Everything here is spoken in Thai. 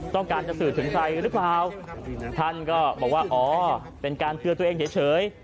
ต้องการจะสื่อถึงใครหรือเปล่าท่านก็บอกว่าอ๋อเป็นการเตือนตัวเองเฉย